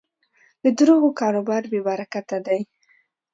د دروغو کاروبار بېبرکته دی.